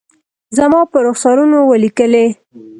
زما پر رخسارونو ولیکلي